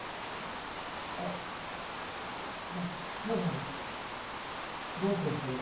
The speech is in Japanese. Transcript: ⁉あううまあそうなんですけどどうしてそれを？